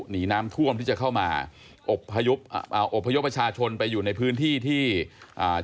หนีน้ำท่วมที่จะเข้ามาอบพยพอ่าอบพยพประชาชนไปอยู่ในพื้นที่ที่อ่า